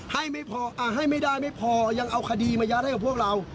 ให้ไม่ได้ไม่พอยังเอาคดีมายัดให้กับพวกเรา